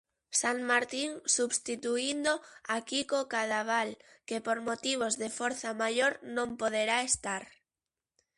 Sanmartín substituíndo a Quico Cadaval que por motivos de forza maior non poderá estar.